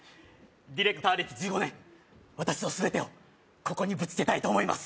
ディレクター歴１５年私の全てをここにぶつけたいと思います